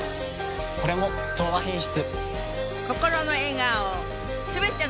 これも「東和品質」。